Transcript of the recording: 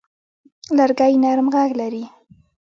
لرګی نرم غږ لري.